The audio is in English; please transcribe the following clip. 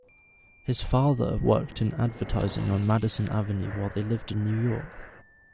His father worked in advertising on Madison Avenue while they lived in New York.